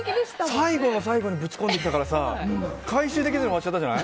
最後の最後にぶち込んできたからさ回収できなくて終わっちゃったじゃない。